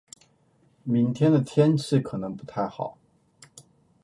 明天的天气可能不太好。